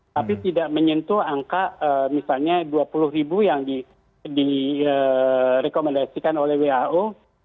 tapi tidak menyentuh angka misalnya dua puluh ribu yang direkomendasikan oleh who